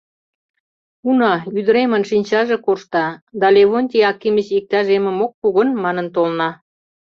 Уна, ӱдыремын шинчаже коршта, да Левонтий Акимыч иктаж эмым ок пу гын манын толна.